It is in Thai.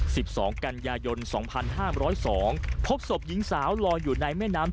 สิบสองกันยายนสองพันห้ามร้อยสองพบศพหญิงสาวลอยอยู่ในแม่น้ำ